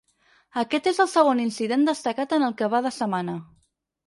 Aquest és el segon incident destacat en el que va de setmana.